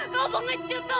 kamu mengecut tau gak